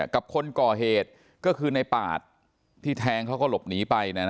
กับคนก่อเหตุก็คือในปาดที่แทงเขาก็หลบหนีไป